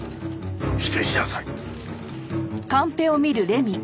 否定しなさい。